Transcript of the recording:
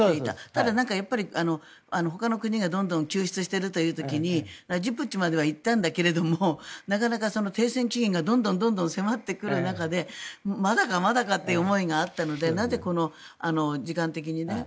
ただ、ほかの国がどんどん救出している時にジブチまでは行ったんだけどなかなか停戦期限がどんどん迫ってくる中でまだかまだかっていう思いがあったのでなぜこれが、時間的にね。